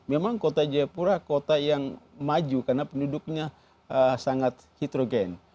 memang kota jayapura kota yang maju karena penduduknya sangat hitrogen